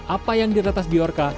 apa yang diretas biorca